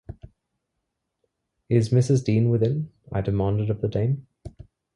‘Is Mrs. Dean within?’ I demanded of the dame.